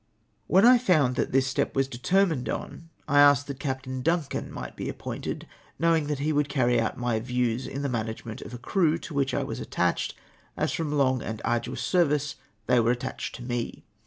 When I found that this step was deter mined on, I asked that Captain Duncan might be appointed, knowing that he wouki cany out my views in the management of a crew to which I was attached, as from long and arduous service they were attached to me.